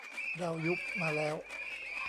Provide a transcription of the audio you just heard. เรา ยุบมาแล้ว